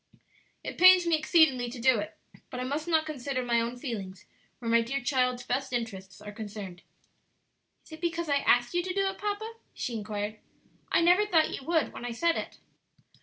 "It pains me exceedingly to do it, but I must not consider my own feelings where my dear child's best interests are concerned." "Is it because I asked you to do it, papa?" she inquired. "I never thought you would when I said it."